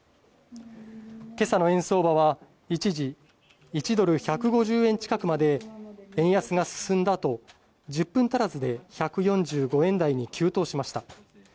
けさの円相場は一時、１ドル１５０円近くまで円安が進んあと、１０分足らずで１４５円台に急騰しました。